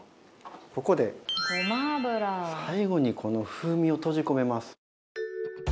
ここで、最後に風味を閉じ込めます